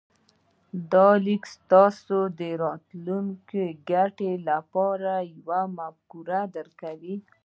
دا ليک تاسې ته د راتلونکې ګټې لپاره يوه مفکوره درکوي.